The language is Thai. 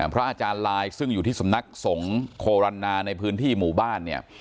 พระอาจารย์ลายซึ่งอยู่ที่สำนักสงฆ์โครรณาในพื้นที่หมู่บ้านเนี่ย